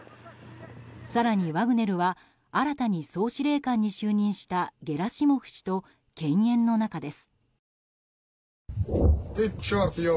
更にワグネルは新たに総司令官に就任したゲラシモフ氏と犬猿の仲です。